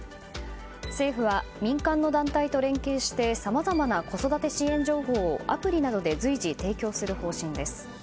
政府は民間の団体と連携してさまざまな子育て支援情報をアプリなどで随時提供する方針です。